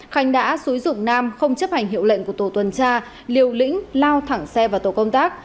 khánh đã xúi dụng nam không chấp hành hiệu lệnh của tổ tuần tra liều lĩnh lao thẳng xe vào tổ công tác